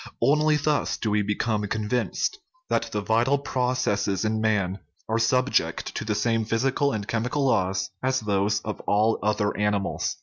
Only thus do we become convinced that the vital processes in man are subject to the same physical and chemical laws as those of all other animals.